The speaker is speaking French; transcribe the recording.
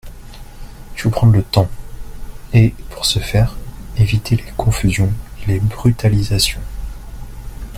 Il faut prendre le temps et, pour ce faire, éviter les confusions et les brutalisations.